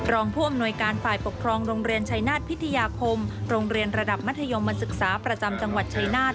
รองผู้อำนวยการฝ่ายปกครองโรงเรียนชัยนาฏพิทยาคมโรงเรียนระดับมัธยมศึกษาประจำจังหวัดชายนาฏ